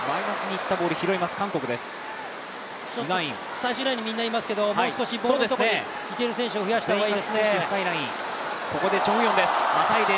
最終ラインにみんないますけど、もう少しボールのところに行ける選手を増やした方がいいですね。